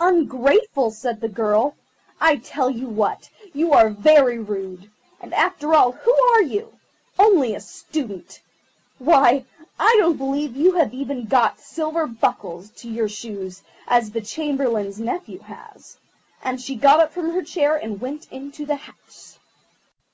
"Ungrateful!" said the girl. "I tell you what, you are very rude; and, after all, who are you? Only a Student. Why, I don't believe you have even got silver buckles to your shoes as the Chamberlain's nephew has"; and she got up from her chair and went into the house.